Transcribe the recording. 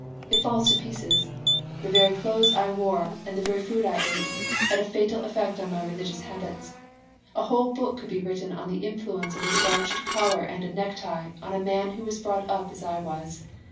It falls to pieces. The very clothes I wore and the very food I ate had a fatal effect on my religious habits. A whole book could be written on the influence of a starched collar and a necktie on a man who was brought up as I was.